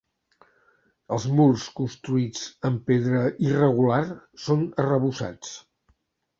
Els murs construïts amb pedra irregular són arrebossats.